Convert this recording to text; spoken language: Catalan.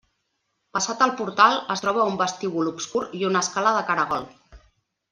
Passat el portal es troba un vestíbul obscur i una escala de caragol.